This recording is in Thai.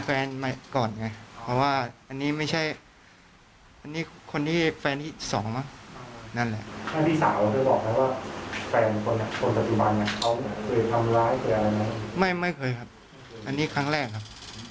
อันนี้ครั้งแรกครับ